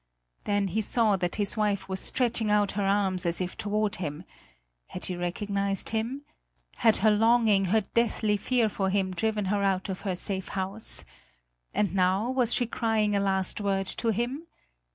Then he saw that his wife was stretching out her arms as if toward him. Had she recognised him? Had her longing, her deathly fear for him driven her out of her safe house? And now was she crying a last word to him?